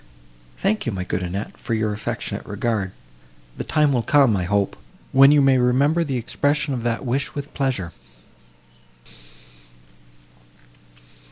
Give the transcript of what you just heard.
"Thank you, my good Annette, for your affectionate regard; the time will come, I hope, when you may remember the expression of that wish with pleasure."